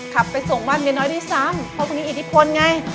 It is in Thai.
ขับไปส่งบ้านเมียน้อยด้วยซ้ำเพราะคนนี้อิทธิพลไง